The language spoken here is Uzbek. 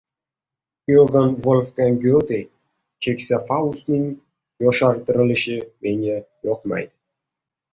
Yogann-Volfgang Hyote. Keksa Faustning yoshartirilishi menga yoqmaydi.